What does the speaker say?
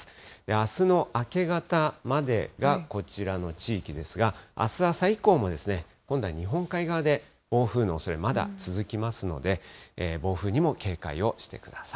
あすの明け方までがこちらの地域ですが、あす朝以降も、本来、日本海側で暴風のおそれ、まだ続きますので、暴風にも警戒をしてください。